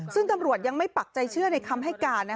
ซึ่งตำรวจยังไม่ปักใจเชื่อในคำให้การ